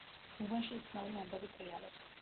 უბანში უცნაური ამბები ტრიალებს.